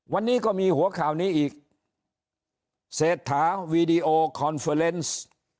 วันนี้ก็มีหัวข่าวนี้อีกเศรษฐาวีดีโอคอนเฟอร์เนส์